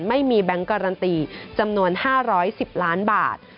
แบงค์การันตีจำนวน๕๑๐ล้านบาท